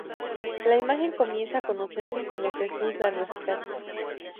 La imagen comienza a conocerse como Jesús del Rescate.